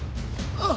あっ！